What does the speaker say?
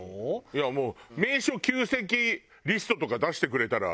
いやもう名所旧跡リストとか出してくれたら。